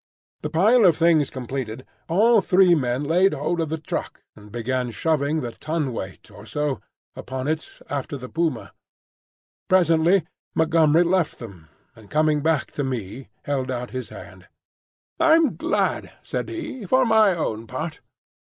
The pile of things completed, all three men laid hold of the truck and began shoving the ton weight or so upon it after the puma. Presently Montgomery left them, and coming back to me held out his hand. "I'm glad," said he, "for my own part.